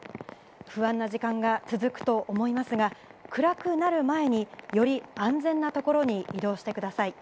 不安な時間が続くと思いますが、暗くなる前に、より安全な所に移動してください。